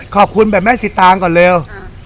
ขอบคุณแบบแม่สิตางก่อนเร็ว